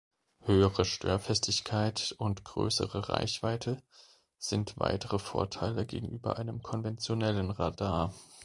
Höhere Störfestigkeit und größere Reichweite sind weitere Vorteile gegenüber einem konventionellen Radar.